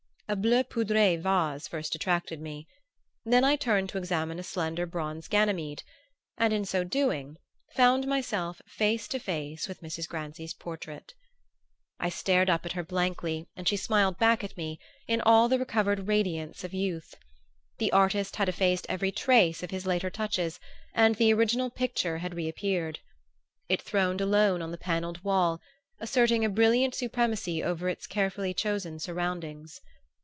A bleu poudré vase first attracted me; then I turned to examine a slender bronze Ganymede, and in so doing found myself face to face with Mrs. Grancy's portrait. I stared up at her blankly and she smiled back at me in all the recovered radiance of youth. The artist had effaced every trace of his later touches and the original picture had reappeared. It throned alone on the panelled wall, asserting a brilliant supremacy over its carefully chosen surroundings.